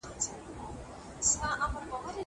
زه پرون سبزېجات جمع کوم!